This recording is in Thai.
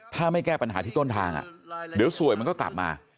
ถ้าไม่แก้ปัญหาที่ต้นทางเดี๋ยวสวยมันก็กลับมา